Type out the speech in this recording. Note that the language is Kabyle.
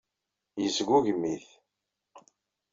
Yesgugem-it.